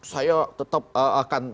saya tetap akan